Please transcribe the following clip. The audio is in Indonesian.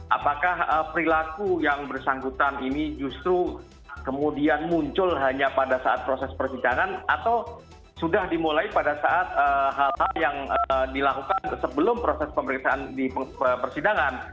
apakah perilaku yang bersangkutan ini justru kemudian muncul hanya pada saat proses persidangan atau sudah dimulai pada saat hal hal yang dilakukan sebelum proses pemeriksaan di persidangan